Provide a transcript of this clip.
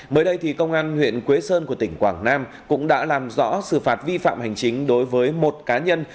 mới đây thì công an huyện quế sơn của tỉnh quảng nam cũng đã làm rõ xử phạt vi phạm hành chính đối với một cá nhân